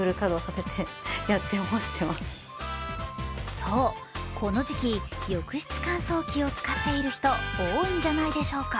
そう、この時期、浴室乾燥機を使っている人、多いんじゃないでしょうか。